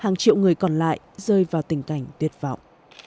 hàng triệu người còn lại rơi vào tình cảnh tuyệt vọng